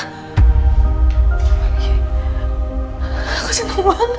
beneran mbak berarti aku bisa ketemu sama nino dong mbak